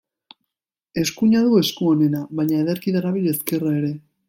Eskuina du esku onena, baina ederki darabil ezkerra ere.